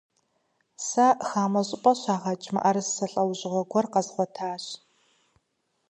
Сэ хамэ щӀыпӀэ щагъэкӀ мыӀэрысэ лӀэужьыгъуэ гуэр къэзгъуэтащ.